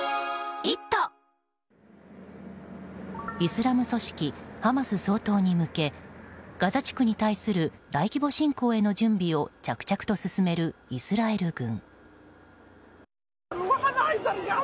イスラム組織ハマス掃討に向けガザ地区に対する大規模侵攻への準備を着々と進めるイスラエル軍。